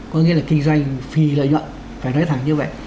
có nghĩa là kinh doanh phi lợi nhuận phải nói thẳng như vậy